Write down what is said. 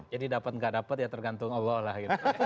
jadi dapat nggak dapat ya tergantung allah